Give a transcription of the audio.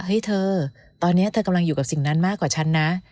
เธอตอนนี้เธอกำลังอยู่กับสิ่งนั้นมากกว่าฉันนะ